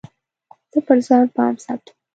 زه پر ځان پام ساتم.